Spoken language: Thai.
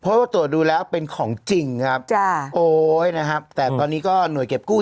เพราะว่าตรวจดูแล้วเป็นของจริงครับจ้ะโอ๊ยนะครับแต่ตอนนี้ก็หน่วยเก็บกู้